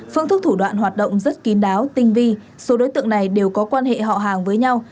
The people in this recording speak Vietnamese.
phương thức thủ đoạn hoạt động rất kín đáo tinh vi số đối tượng này đều có quan hệ họ hàng với nhau